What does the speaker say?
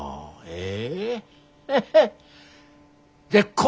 ええ。